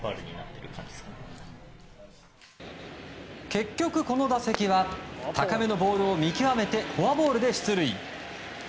結局、この打席は高めのボールを見極めてフォアボールで出塁。